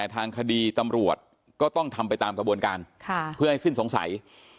ทางคดีตำรวจก็ต้องทำไปตามกระบวนการเพื่อให้สิ้นสงสัย